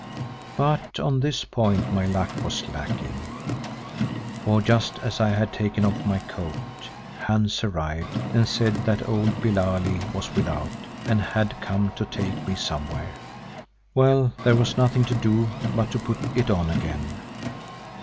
But on this point my luck was lacking, for just as I had taken off my coat, Hans arrived and said that old Billali was without and had come to take me somewhere. Well, there was nothing to do but to put it on again.